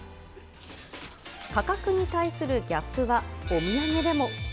価格に対するギャップはお土産でも。